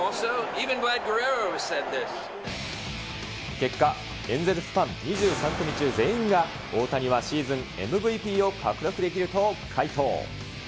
結果、エンゼルスファン２３組中全員が、大谷はシーズンＭＶＰを獲得できると回答。